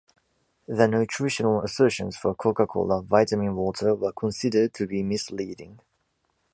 The nutritional assertions for Coca-Cola Vitamin Water were considered to be misleading.